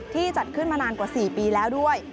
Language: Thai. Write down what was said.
จัดขึ้นมานานกว่า๔ปีแล้วด้วย